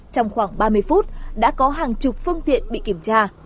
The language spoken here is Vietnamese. trong khoảng ba mươi phút đã có hàng chục phương tiện bị kiểm tra